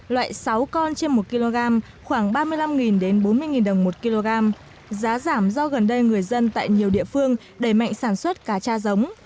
loại sáu con trên một kg khoảng ba mươi năm bốn mươi đồng một kg giá giảm do gần đây người dân tại nhiều địa phương đẩy mạnh sản xuất cá cha giống